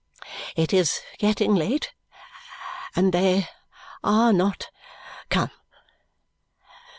It is getting late, and they are not come.